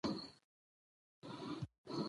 باسواده نجونې د موټر چلولو مهارت زده کوي.